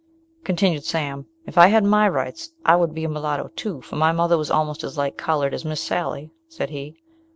Continued Sam, "If I had my rights I would be a mulatto too, for my mother was almost as light coloured as Miss Sally," said he.